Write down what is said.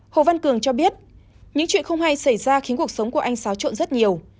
hồ văn cường cho biết những chuyện không hay xảy ra khiến cuộc sống của anh xáo trộn rất nhiều